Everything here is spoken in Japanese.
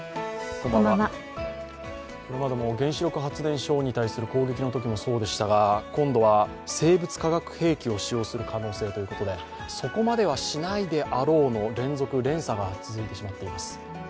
これまでも原子力発電所に対する攻撃のときもそうでしたが今度は生物化学兵器を使用する可能性があるということでそこまではしないであろうの連続、連鎖が続いてしまっています。